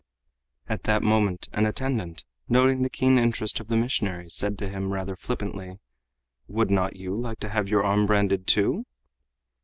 At that moment an attendant, noting the keen interest of the missionary, said to him rather flippantly, "Would you not like to have your arm branded, too?"